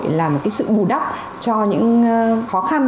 xã hội là một cái sự bù đắp cho những khó khăn